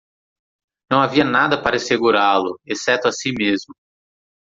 Não havia nada para segurá-lo, exceto a si mesmo.